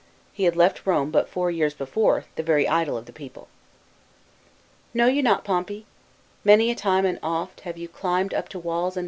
He had left Rome but four years before, the very idol of the people. " Know you not Pompey 1 Many a tiu^e and oft Have you climbed up to walls and